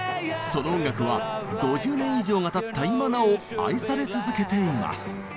その音楽は５０年以上がたった今なお愛され続けています。